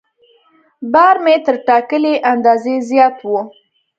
بار مې تر ټاکلي اندازې زیات و.